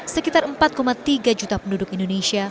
sekitar empat tiga juta penduduk indonesia